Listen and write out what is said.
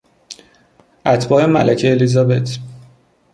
اتباع ملکه الیزابت